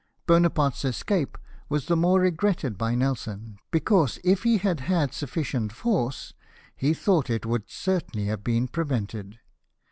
Bonaparte's escape was the more regretted by Nelson, because, if he had had sufficient force, he thought it would certainly have been prevented.